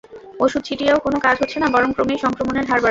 ওষুধ ছিটিয়েও কোনো কাজ হচ্ছে না, বরং ক্রমেই সংক্রমণের হার বাড়ছে।